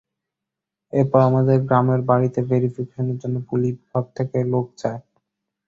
এরপর আমাদের গ্রামের বাড়িতে ভেরিফিকেশনের জন্য পুলিশ বিভাগ থেকে লোক যায়।